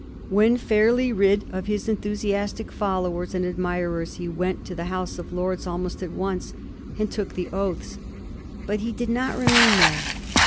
When fairly rid of his enthusiastic followers and admirers he went to the House of Lords almost at once, and took the oaths ; but he did not remain there.